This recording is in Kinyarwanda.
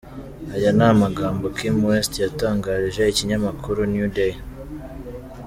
Aya ni amagambo KimWest yatangarije ikinyamakuru New Day.